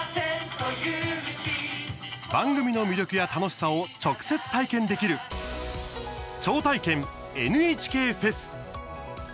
番組の魅力や楽しさを直接、体験できる「超体験ＮＨＫフェス」。